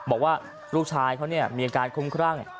บอกว่าลูกชายเขามีอาการคุ้มครั่ง